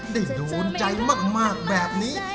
ได้โดนใจมากแบบนี้